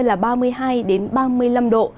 là ba mươi hai ba mươi năm độ